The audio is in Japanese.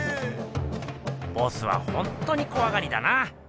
ボスはほんとにこわがりだな！